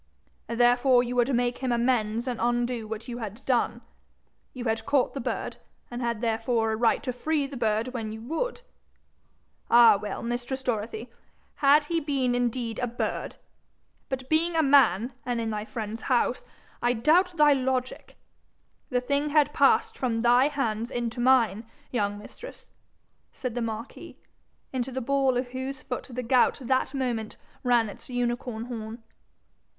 'Therefore you would make him amends and undo what you had done? You had caught the bird, and had therefore a right to free the bird when you would? All well, mistress Dorothy, had he been indeed a bird! But being a man, and in thy friend's house, I doubt thy logic. The thing had passed from thy hands into mine, young mistress,' said the marquis, into the ball of whose foot the gout that moment ran its unicorn horn.